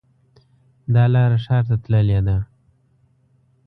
دا لاره ښار ته تللې ده